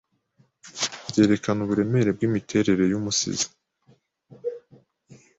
byerekana uburemere bw'imiterere y'umusizi